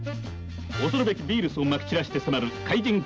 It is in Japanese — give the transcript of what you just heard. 恐るべきビールスをまき散らして迫る怪人蝙蝠男。